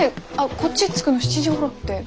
こっち着くの７時ごろって。